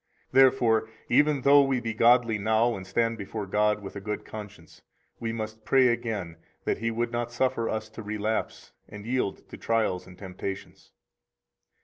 Therefore, even though we be godly now and stand before God with a good conscience, we must pray again that He would not suffer us to relapse and yield to trials and temptations.